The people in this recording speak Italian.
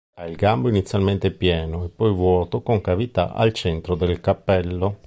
Ha il gambo inizialmente pieno e poi vuoto con cavità al centro del cappello.